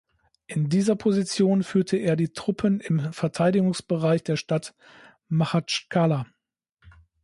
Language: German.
In dieser Position führte er die Truppen im Verteidigungsbereich der Stadt Machatschkala.